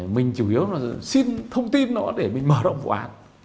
mình chủ yếu là xin thông tin nó để mình mở động vụ án